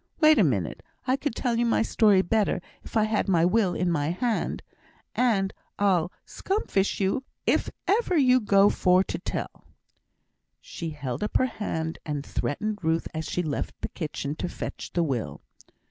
Wait a minute! I could tell you my story better if I had my will in my hand; and I'll scomfish you if ever you go for to tell." She held up her hand, and threatened Ruth as she left the kitchen to fetch the will.